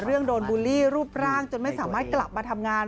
เรื่องโดนบูลลี่รูปร่างจนไม่สามารถกลับมาทำงาน